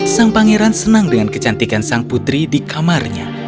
sang pangeran senang dengan kecantikan sang putri di kamarnya